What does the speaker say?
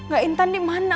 gak intan dimana